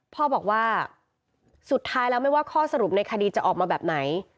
พ่อบอกว่าสุดท้ายแล้วไม่ว่าข้อสรุปในคดีจะออกมาแบบไหน